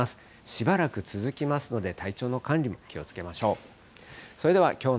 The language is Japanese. しばらく続きますので、体調の管理にも気をつけましょう。